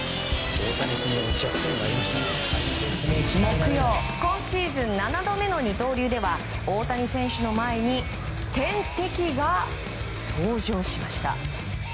木曜今シーズン７度目の二刀流では大谷選手の前に天敵が登場しました。